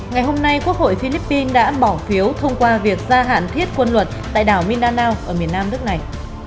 ngày hôm nay quốc hội philippines đã bỏ phiếu thông qua việc gia hạn thiết quân luật tại đảo mindanao ở miền nam nước này